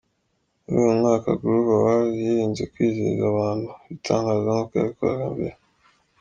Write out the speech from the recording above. Muri uyu mwaka Groove Awards yirinze kwizeza abantu ibitangaza nk’uko yabikoraga mbere.